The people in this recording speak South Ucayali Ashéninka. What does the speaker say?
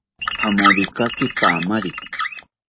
Jamorekaki paamari